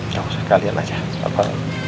gak usah kalian aja papa